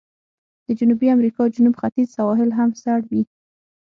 د جنوبي امریکا جنوب ختیځ سواحل هم سړ وي.